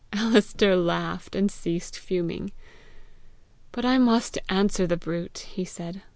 Alister laughed, and ceased fuming. "But I must answer the brute!" he said.